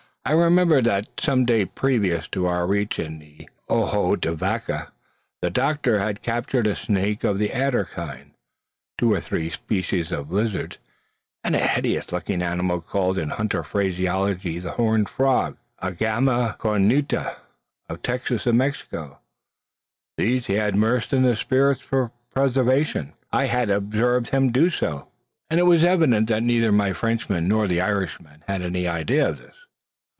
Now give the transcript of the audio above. I remembered that some days previous to our reaching the Ojo de Vaca, the doctor had captured a snake of the adder kind, two or three species of lizards, and a hideous looking animal, called, in hunter phraseology, the horned frog: the agama cornuta of Texas and Mexico. These he had immersed in the spirit for preservation. I had observed him do so, and it was evident that neither my Frenchman nor the Irishman had any idea of this.